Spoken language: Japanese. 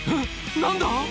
何だ？